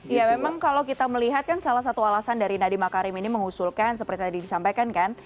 ya memang kalau kita melihat kan salah satu alasan dari nadiem makarim ini mengusulkan seperti tadi disampaikan kan